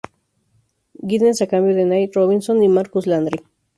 Giddens a cambio de Nate Robinson y Marcus Landry.